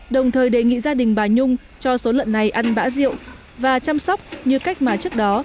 đồng thời đề nghị gia đình bà nhung cho số lợn này ăn bã rượu và chăm sóc như cách mà trước đó